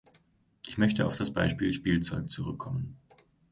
Ich möchte auf das Beispiel Spielzeug zurückkommen.